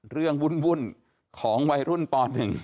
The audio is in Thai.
เรื่องบุ่นของวัยรุ่นปนึง